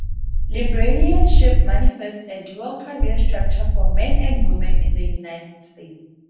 Librarianship manifests a dual career structure for men and women in the United States.